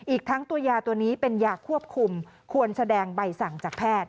อีกทั้งตัวยาตัวนี้เป็นยาควบคุมควรแสดงใบสั่งจากแพทย์